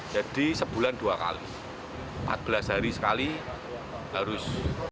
jadi sebulan dua kali empat belas hari sekali harus